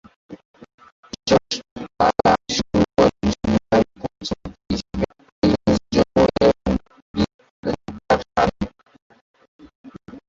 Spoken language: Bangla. যশ চোপড়া কাজ শুরু করেন সহকারী পরিচালক হিসেবে আই এস জোহর এবং বি আর চোপড়ার সাথে।